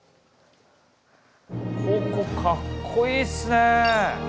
ここかっこいいっすね！